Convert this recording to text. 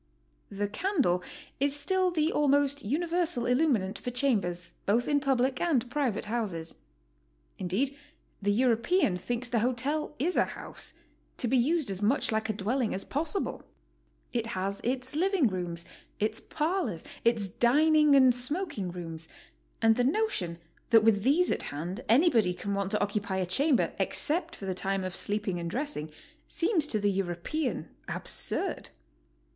The candle is still the almost universal illuminant for chambers, both in public and private houses. Indeed, the European thinks the hotel is a house, to be used as much like a dwelling as possible. It has its living rooms, its parlors, its dining and smoking rooms, and the notion that with these at hand anybody can want to occupy a cham ber, except for the time of sleeping and dressing, seems to the European absurd!